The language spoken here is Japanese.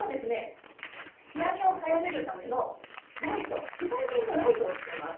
仕上げを早めるための紫外線のライトをつけます。